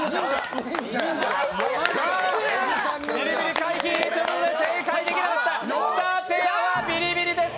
ビリビリ回避。ということで正解できなかった２ペアはビリビリです。